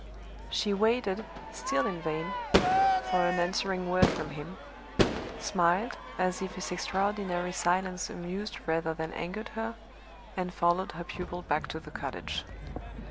She waited, still in vain, for an answering word from him smiled, as if his extraordinary silence amused rather than angered her and followed her pupil back to the cottage.